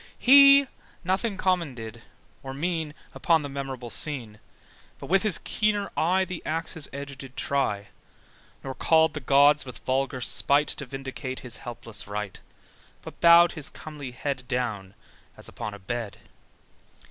He nothing common did or mean Upon that memorable scene: But with his keener eye The axe's edge did try: Nor called the gods with vulgar spite To vindicate his helpless right, But bowed his comely head, Down, as upon a bed.